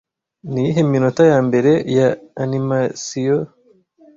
Niyihe minota yambere ya animasiyos